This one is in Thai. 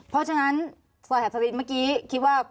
เพราะฉะนั้นสวัสดีครับศาลินทร์เมื่อกี้คิดว่า